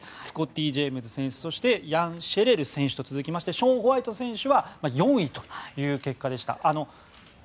スコッティ・ジェームズ選手ヤン・シェレル選手と続きましてショーン・ホワイト選手は４位という結果でした。